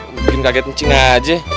mungkin kaget ncing aja